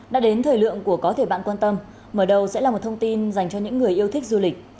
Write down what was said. đã đến thời lượng của có thể bạn quan tâm mở đầu sẽ là một thông tin dành cho những người yêu thích du lịch